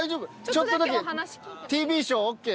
ちょっとだけＴＶショーＯＫ？